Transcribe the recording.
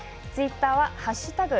ツイッターは＃